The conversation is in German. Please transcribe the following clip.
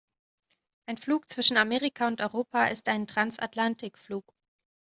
Ein Flug zwischen Amerika und Europa ist ein Transatlantikflug.